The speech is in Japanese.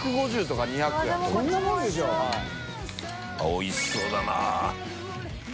おいしそうだな。